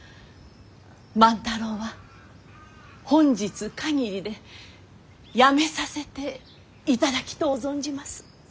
万太郎は本日限りでやめさせていただきとう存じます。